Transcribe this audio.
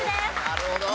なるほど。